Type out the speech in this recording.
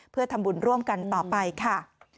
เพื่อทำบุญร่วมกันต่อไปค่ะ